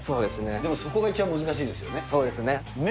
でもそこが一番難しいですよね。